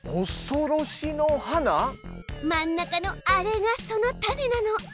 真ん中のあれがその種なの。